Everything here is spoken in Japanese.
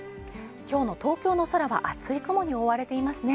今日の東京の空は厚い雲に覆われていますね